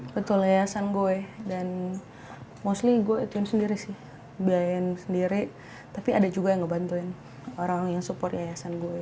betul yayasan gue dan mostly gue ituin sendiri sih biayain sendiri tapi ada juga yang ngebantuin orang yang support yayasan gue